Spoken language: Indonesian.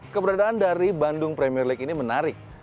keberadaan dari bandung premier league ini menarik